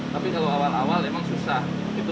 tapi kalau awal awal emang susah